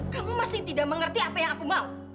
kamu masih tidak mengerti apa yang aku mau